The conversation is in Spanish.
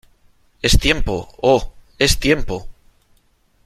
¡ Es tiempo !¡ oh !¡ es tiempo !